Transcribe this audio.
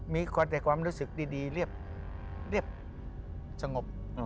มีแต่ความรู้สึกดีเรียบสงบ